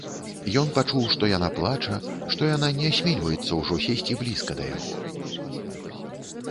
Ён пачуў, што яна плача, што яна не асмельваецца ўжо сесці блізка да яго.